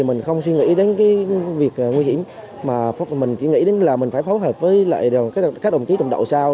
mình không suy nghĩ đến việc nguy hiểm mình chỉ nghĩ là phải phối hợp với các đồng chí trụng đậu sao